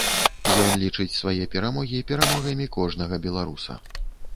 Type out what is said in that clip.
Ён лічыць свае перамогі перамогамі кожнага беларуса.